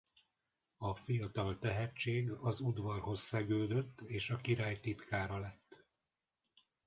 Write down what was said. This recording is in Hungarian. A fiatal tehetség az udvarhoz szegődött és a király titkára lett.